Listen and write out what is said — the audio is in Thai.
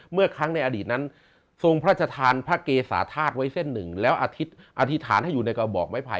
เมื่อครั้งในอดีตนั้นทรงพระชธานพระเกสาธาตุไว้เส้นหนึ่งแล้วอธิษฐานให้อยู่ในกระบอกไม้ไผ